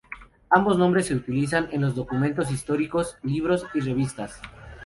Ambos nombres se utilizan en los documentos históricos, libros y revistas.